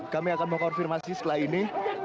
kami akan mengkonfirmasi setelah ini